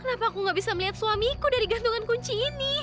kenapa aku gak bisa melihat suamiku dari gantungan kunci ini